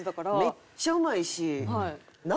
めっちゃうまいし。